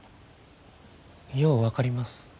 よう分かります。